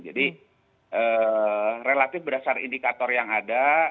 jadi relatif berdasar indikator yang ada